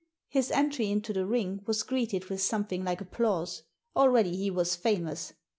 His entry into tiie ring was greeted with something like applause: already he was famous.